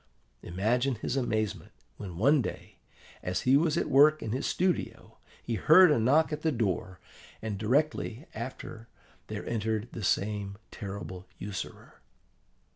Imagine his amazement when one day, as he was at work in his studio, he heard a knock at the door, and directly after there entered that same terrible usurer.